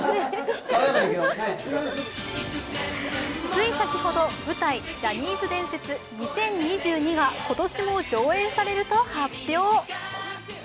つい先ほど、舞台「ジャニーズ伝説２０２２」が今年も上演されると発表。